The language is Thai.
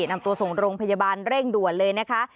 นำตัวส่งโรงพยาบาลเร่งด่วนเลยนะคะ